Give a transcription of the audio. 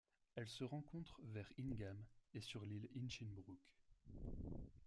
Elle se rencontre vers Ingham et sur l'île Hinchinbrook.